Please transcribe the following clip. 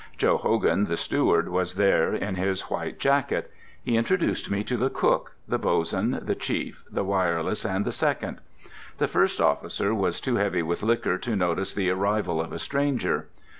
Joe Hogan, the steward, was there in his white jacket. He introduced me to the cook, the bosun, the "chief," the wireless, and the "second." The first officer was too heavy with liquor to notice the arrival of a stranger.